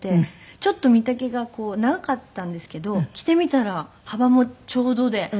ちょっと身丈が長かったんですけど着てみたら幅もちょうどで誂えたようです。